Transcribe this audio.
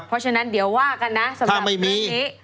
เพราะฉะนั้นเดี๋ยวว่ากันนะสำหรับปีนี้